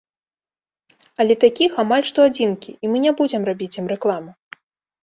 Але такіх амаль што адзінкі, і мы не будзем рабіць ім рэкламу.